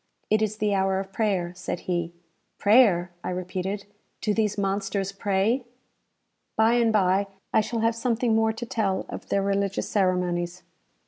"It is the hour of prayer," said he. "Prayer!" I repeated. "Do these monsters pray?" By and bye, I shall have something more to tell of their religious ceremonies.